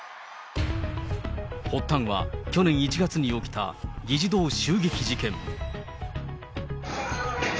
発端は、去年１月に起きた議事堂襲撃事件。